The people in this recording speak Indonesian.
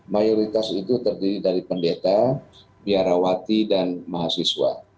mayoritas itu terdiri dari pendeta biarawati dan mahasiswa